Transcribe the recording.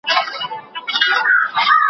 ایا تکړه پلورونکي وچه میوه پروسس کوي؟